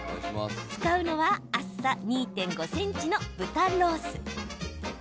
使うのは厚さ２．５ｃｍの豚ロース。